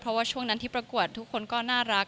เพราะว่าช่วงนั้นที่ประกวดทุกคนก็น่ารัก